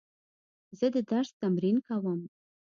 زه د درس تمرین کوم.